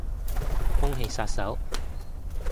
空氣殺手